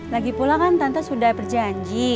lagi pula kan tante sudah berjanji